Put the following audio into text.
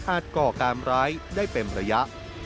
ก่อการร้ายได้เป็นระยะ